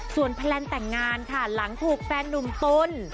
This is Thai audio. ส่วนแพลนแต่งงานค่ะหลังถูกแฟนนุ่มตน